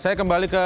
saya kembali ke